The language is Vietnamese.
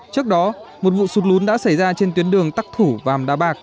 trước đó một vụ sụt lún đã xảy ra trên tuyến đường tắc thủ và hàm đa bạc